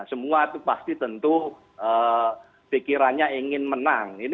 semua itu pasti tentu pikirannya ingin menang